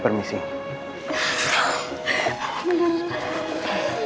terima kasih nenek